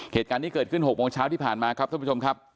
เหตุการณ์นี้เกิดขึ้น๖โมงเช้าที่ผ่านมาครับท่านผู้ชมครับ